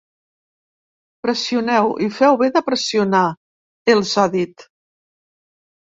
Pressioneu, i feu bé de pressionar, els ha dit.